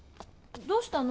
どうしたの？